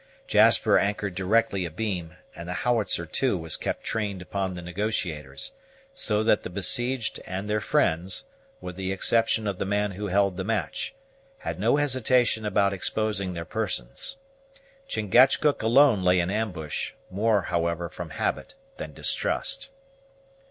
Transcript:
Jasper anchored directly abeam; and the howitzer, too, was kept trained upon the negotiators: so that the besieged and their friends, with the exception of the man who held the match, had no hesitation about exposing their persons. Chingachgook alone lay in ambush; more, however, from habit than distrust.